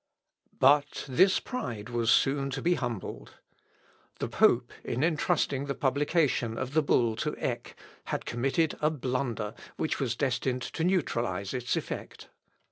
But this pride was soon to be humbled. The pope, in entrusting the publication of the bull to Eck, had committed a blunder which was destined to neutralise its effect.